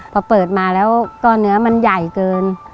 พอเปิดมาแล้วก็เนื้อมันใหญ่เกิน